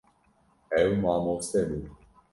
Ew mamoste bû.